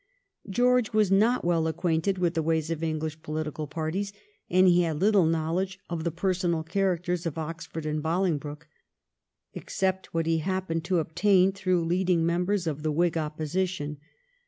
George was not well acquainted with the ways of English political parties, and he had little knowledge of the personal characters of Oxford and Bolingbroke, except what he happened to obtain through leading members of the Whig Opposition.